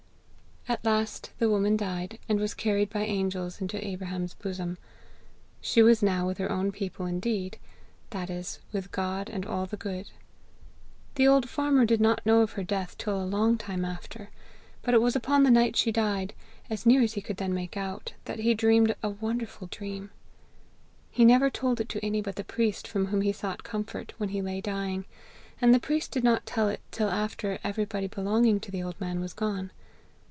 "At last the woman died, and was carried by angels into Abraham's bosom. She was now with her own people indeed, that is, with God and all the good. The old farmer did not know of her death till a long time after; but it was upon the night she died, as near as he could then make out, that he dreamed a wonderful dream. He never told it to any but the priest from whom he sought comfort when he lay dying; and the priest did not tell it till after everybody belonging to the old man was gone.